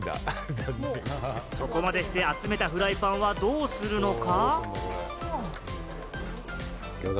そこまでして集めたフライパンをどうするのか？